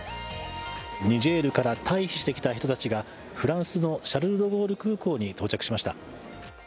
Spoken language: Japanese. ニジェールから退避してきた人たちがフランスのシャルル・ド・ゴール空港に到着しました。